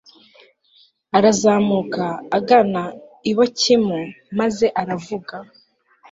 arazamuka agana i bokimu, maze aravuga